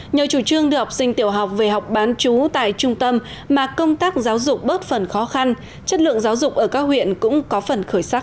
nhờ chủ trương đưa học sinh tiểu học về học bán chú tại trung tâm mà công tác giáo dục bớt phần khó khăn chất lượng giáo dục ở các huyện cũng có phần khởi sắc